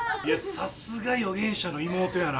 さすが予言者の妹やな。